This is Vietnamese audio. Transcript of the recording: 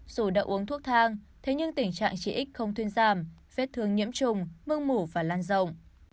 dù đã uống thuốc thang thế nhưng tình trạng chị x không thuyên giảm vết thương nhiễm trùng mương mủ và lan rộng